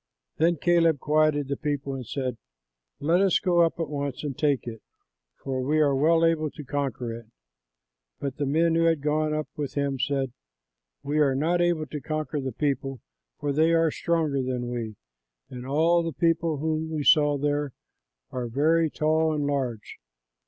Then Caleb quieted the people and said, "Let us go up at once and take it, for we are well able to conquer it." But the men who had gone up with him said, "We are not able to conquer the people, for they are stronger than we, and all the people whom we saw there are very tall and large.